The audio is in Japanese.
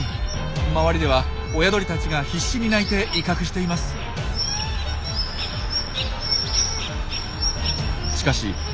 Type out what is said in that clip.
周りでは親鳥たちが必死に鳴いて威嚇しています。